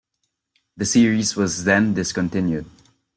The series was then discontinued.